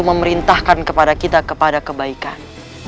memerintahkan kepada kita kepada kebaikan